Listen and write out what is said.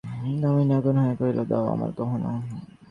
দামিনী আগুন হইয়া কহিল, দাও আমার গহনা।